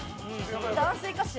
男性かしら？